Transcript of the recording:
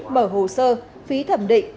mở hồ sơ phí thẩm định